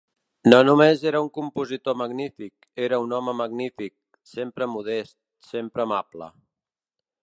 No només era un compositor magnífic, era un home magnífic, sempre modest, sempre amable.